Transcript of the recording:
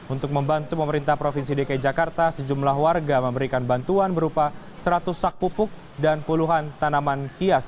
untuk membantu pemerintah provinsi dki jakarta sejumlah warga memberikan bantuan berupa seratus sak pupuk dan puluhan tanaman hias